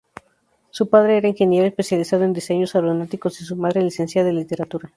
Su padre era ingeniero especializado en diseños aeronáuticos y su madre, licenciada en literatura.